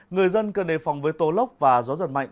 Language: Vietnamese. người dân cần đề phòng với tố lốc và gió giật mạnh